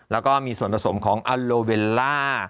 แล้วก็มีส่วนผสมของอัลโลเวลล่า